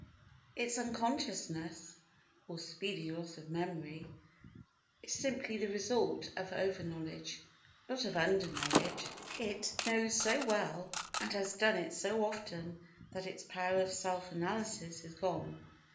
Its unconsciousness (or speedy loss of memory) is simply the result of over knowledge, not of under knowledge. It knows so well and has done it so often that its power of self analysis is gone.